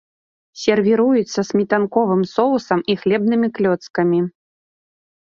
Сервіруюць са сметанковым соусам і хлебнымі клёцкамі.